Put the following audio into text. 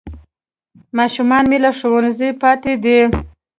ماشومان مې له ښوونځیو پاتې دي